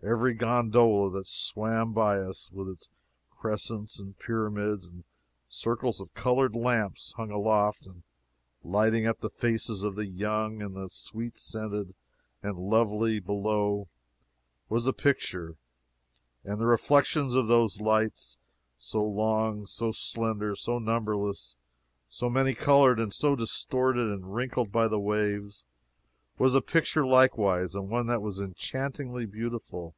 Every gondola that swam by us, with its crescents and pyramids and circles of colored lamps hung aloft, and lighting up the faces of the young and the sweet scented and lovely below, was a picture; and the reflections of those lights, so long, so slender, so numberless, so many colored and so distorted and wrinkled by the waves, was a picture likewise, and one that was enchantingly beautiful.